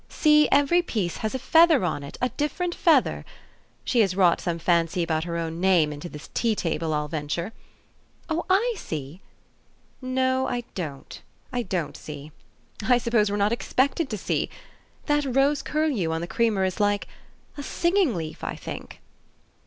See, every piece has a feather on it, a different feather ! She has wrought some fancy about her own name into this tea table, I'll venture. Oh, I see ! No, I don't ; I don't see. I suppose we're not expected to see. That rose curlew on the creamer is like a singing leaf, I think."